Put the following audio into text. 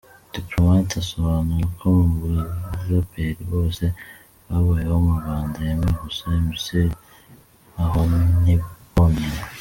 Diplomate asobanura ko mu baraperi bose babayeho mu Rwanda yemera gusa Mc Mahoniboni.